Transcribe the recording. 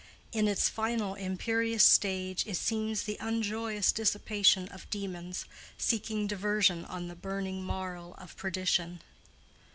In its final, imperious stage, it seems the unjoyous dissipation of demons, seeking diversion on the burning marl of perdition.